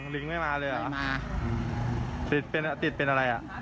ลิงไม่มาเลยอ่ะไม่มาติดเป็นอะไรอ่ะ